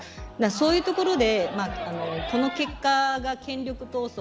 そういうところでこの結果が権力闘争